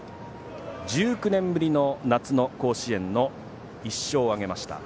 １９年ぶりの夏の甲子園の１勝を挙げました。